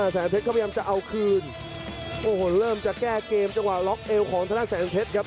แสนเพชรเขาพยายามจะเอาคืนโอ้โหเริ่มจะแก้เกมจังหวะล็อกเอวของธนาแสนเพชรครับ